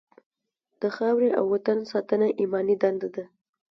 د خاورې او وطن ساتنه ایماني دنده ده.